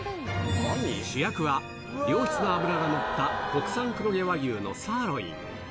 主役は良質な脂が乗った国産黒毛和牛のサーロイン。